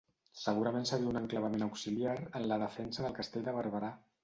Segurament seria un enclavament auxiliar en la defensa del Castell de Barberà.